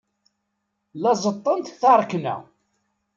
La ẓeṭṭent taṛakna.